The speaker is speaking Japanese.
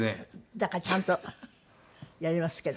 だからちゃんとやれますけど。